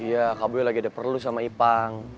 iya kak gue lagi ada perlu sama ipang